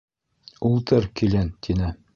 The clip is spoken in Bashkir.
— Ултыр, килен, — тине.